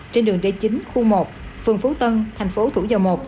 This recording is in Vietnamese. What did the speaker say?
trên đường d chín khu một phường phú tân thành phố thủ dầu một